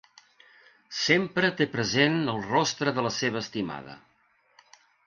Sempre té present el rostre de la seva estimada.